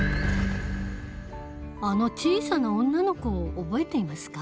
あの小さな女の子を覚えていますか？